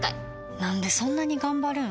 なんでそんなに頑張るん？